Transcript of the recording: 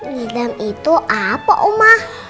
ngidam itu apa umah